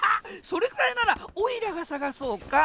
それくらいならオイラがさがそうか？